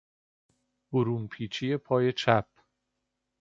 برون پیچی پای چپ